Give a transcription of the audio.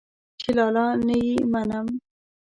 چې لالا نه يې منم.